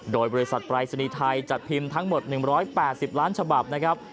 โดยบริษัทปรายศนีย์ไทยจัดพิมพ์ทั้งหมด๑๘๐ล้านฉบับนะครับ